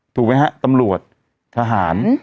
ถูกไหมฮะตำรวจทหาร